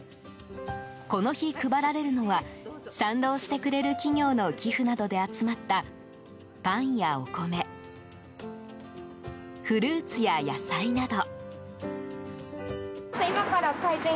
この日、配られるのは賛同してくれる企業の寄付などで集まったパンやお米フルーツや野菜など。